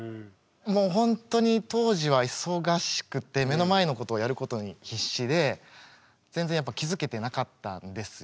もうほんとに当時は忙しくて目の前のことをやることに必死で全然やっぱ気付けてなかったんですよ。